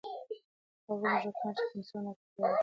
هغه موږکان چې د انسان باکټرياوې لري، ژر زده کړه کوي.